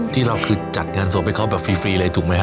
ที่เราจัดงานศพให้เขาฟรีเลยถูกไหมครับ